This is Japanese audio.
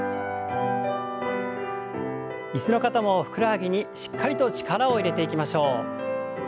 椅子の方もふくらはぎにしっかりと力を入れていきましょう。